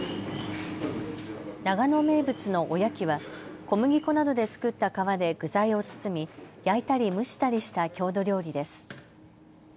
長野名物のおやきは小麦粉などで作った皮で具材を包み焼いたり蒸したりした郷土料理です。